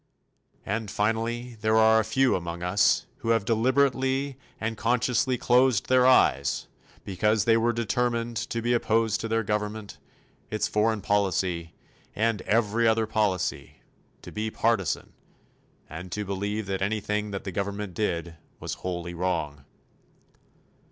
And, finally, there are a few among us who have deliberately and consciously closed their eyes because they were determined to be opposed to their government, its foreign policy and every other policy, to be partisan, and to believe that anything that the government did was wholly wrong.